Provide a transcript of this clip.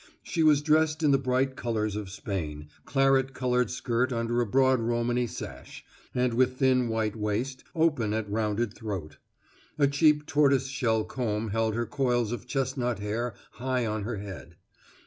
She was dressed in the bright colors of Spain, claret colored skirt under a broad Romany sash, and with thin white waist, open at rounded throat. A cheap tortoise shell comb held her coils of chestnut hair high on her head.